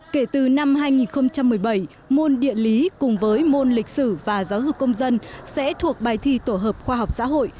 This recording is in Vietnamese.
kể từ năm hai nghìn một mươi bảy môn địa lý cùng với môn lịch sử và giáo dục công dân sẽ thuộc bài thi tổ hợp khoa học xã hội